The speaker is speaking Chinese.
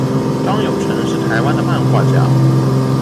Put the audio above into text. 张友诚是台湾的漫画家。